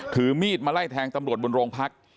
ถือมีดมาไล่แทงตำรวจบนโรงพัก